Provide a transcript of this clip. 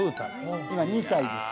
今２歳です